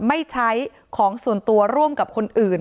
ไม่ใช้ของส่วนตัวร่วมกับคนอื่น